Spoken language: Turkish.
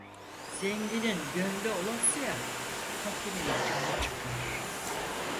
Zenginin gönlü olasıya, fakirin canı çıkar.